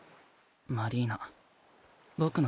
マリーナ。